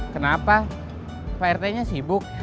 kenapa pak rt nya sibuk